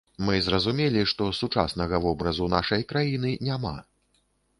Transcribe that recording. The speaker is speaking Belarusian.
Мы зразумелі, што сучаснага вобразу нашай краіны няма.